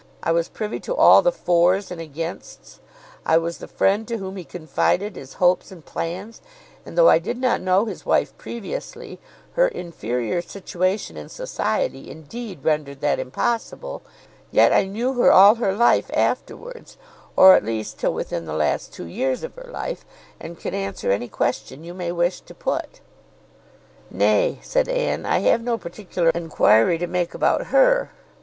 I was privy to all the fors and againsts; I was the friend to whom he confided his hopes and plans; and though I did not know his wife previously, her inferior situation in society, indeed, rendered that impossible, yet I knew her all her life afterwards, or at least till within the last two years of her life, and can answer any question you may wish to put." "Nay," said Anne, "I have no particular enquiry to make about her.